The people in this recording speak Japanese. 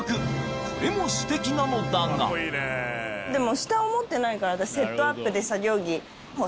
これもステキなのだがでも。